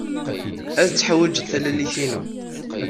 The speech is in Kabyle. Ad teḥwijeḍ tallalt-inu.